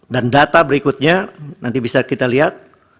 dan data berikutnya nanti bisa kita lihat